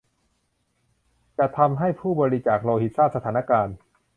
จะทำให้ผู้บริจาคโลหิตทราบสถานการณ์